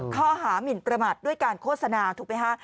ข้อหามินประมาทด้วยการโฆษณาถูกไหมคะ